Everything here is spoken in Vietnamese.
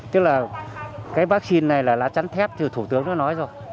tức là cái vaccine này là lá trắng thép như thủ tướng nó nói rồi